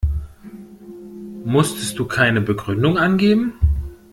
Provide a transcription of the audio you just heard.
Musstest du keine Begründung angeben?